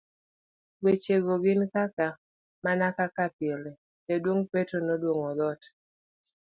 Wechego gin kaka, Mana kaka pile, jaduong Petro noguong'o thot